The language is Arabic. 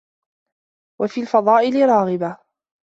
وَفِي الْفَضَائِل رَاغِبَةً